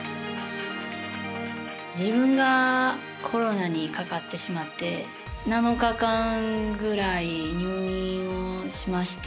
自分がコロナにかかってしまって７日間ぐらい入院をしまして。